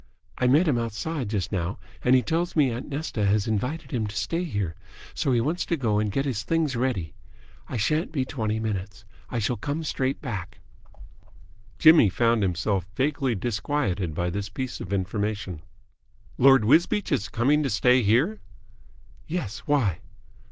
I met him outside just now and he tells me aunt Nesta has invited him to stay here, so he wants to go and get his things ready. I shan't be twenty minutes. I shall come straight back." Jimmy found himself vaguely disquieted by this piece of information. "Lord Wisbeach is coming to stay here?" "Yes. Why?"